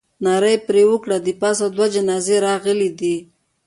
ناره یې پر وکړه. د پاسه دوه جنازې راغلې دي.